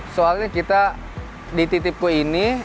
soalnya kita di titipku ini